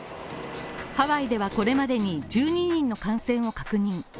ハワイではこれまでに１２人の感染を確認。